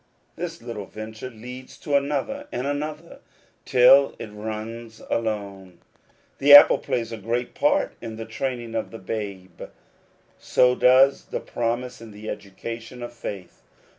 This little venture leads to another and another, till it runs alone. The apple plays a great part in the training of the babe, and so does the promise in the education of faith.